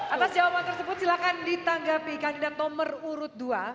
atas jawaban tersebut silahkan ditanggapi kandidat nomor urut dua